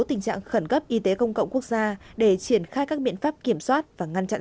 tình trạng khẩn cấp y tế công cộng quốc gia để triển khai các biện pháp kiểm soát và ngăn chặn